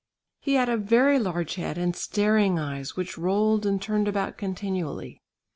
He had a very large head and staring eyes which rolled and turned about continually.